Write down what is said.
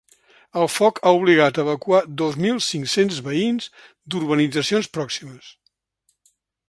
El foc ha obligat a evacuar dos mil cinc-cents veïns d’urbanitzacions pròximes.